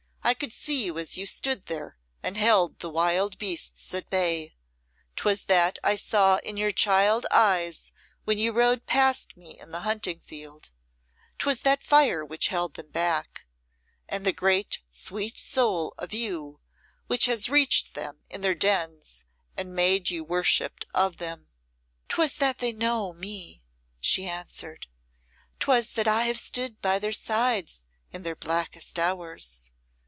I could see you as you stood there and held the wild beasts at bay. 'Twas that I saw in your child eyes when you rode past me in the hunting field; 'twas that fire which held them back, and the great sweet soul of you which has reached them in their dens and made you worshipped of them." "Twas that they know me," she answered; "'twas that I have stood by their sides in their blackest hours.